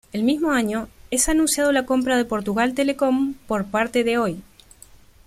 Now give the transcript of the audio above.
El mismo año, es anunciado la compra de Portugal Telecom por parte de Oi.